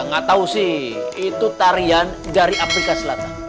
gak tau sih itu tarian dari afrika selatan